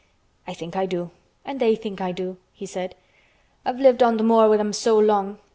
"I think I do, and they think I do," he said. "I've lived on th' moor with 'em so long.